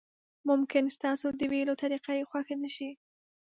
ممکن ستاسو د ویلو طریقه یې خوښه نشي.